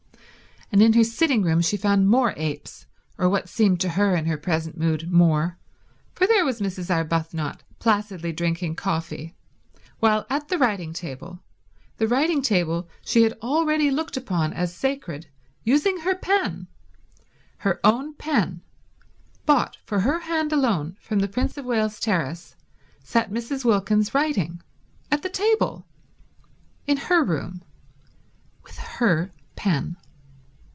And in her sitting room she found more apes, or what seemed to her in her present mood more, for there was Mrs. Arbuthnot placidly drinking coffee, while at the writing table, the writing table she already looked upon as sacred, using her pen, her own pen brought for her hand alone from Prince of Wales Terrace, sat Mrs. Wilkins writing; at the table; in her room; with her pen.